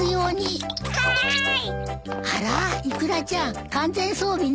あらイクラちゃん完全装備ね。